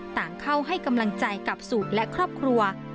ต่างเข้าให้กำลังใจกับสูตรและครอบครัว